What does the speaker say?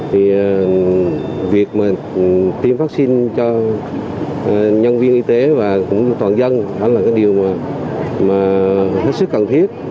thì việc mà tiêm vaccine cho nhân viên y tế và cũng toàn dân đó là cái điều mà hết sức cần thiết